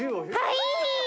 はい。